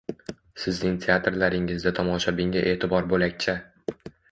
Sizning teatrlaringizda tomoshabinga e’tibor bo‘lakcha.